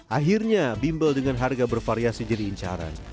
akhirnya bimbel dengan harga bervariasi jadi incaran